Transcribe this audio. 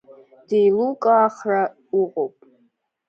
Деилукаахра уҟоуп.